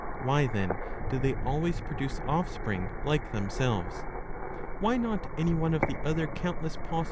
Why, then, do they always produce offspring like themselves ?* Why not any one of the other countless possible forms of life